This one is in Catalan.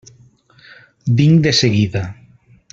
Vinc de seguida.